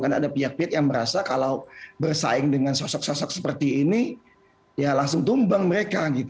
karena ada pihak pihak yang merasa kalau bersaing dengan sosok sosok seperti ini ya langsung tumbang mereka gitu